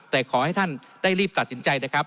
แต่ขอให้ท่านได้รีบตัดสินใจนะครับ